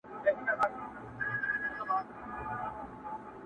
خلکو ویل چي دا پردي دي له پردو راغلي!.